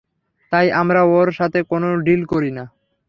তাই আমরা ওর সাথে কোনো ডিল করি না।